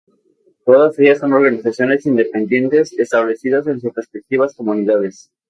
Todas ellas son organizaciones independientes establecidas en sus respectivas comunidades.